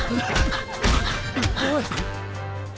おい⁉